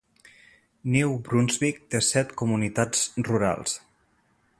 New Brunswick té set comunitats rurals.